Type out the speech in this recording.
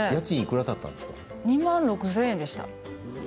２万６０００円でした。